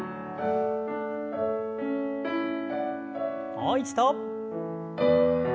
もう一度。